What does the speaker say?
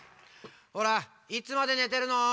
ほらいつまでねてるの？